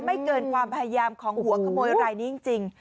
ไม่เกินความพยายามของหัวขโมยรายนี้จริง